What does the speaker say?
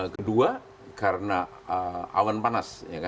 kedua karena awan panas